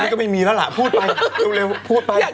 ทุกวันนี้ก็ไม่มีแล้วล่ะพูดไปเร็วพูดไป